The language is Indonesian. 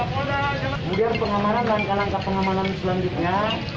kemudian pengamatan dan pengamatan selanjutnya